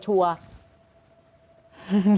ชัวร์